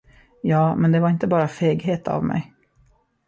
Ja, men det var inte bara feghet av mig.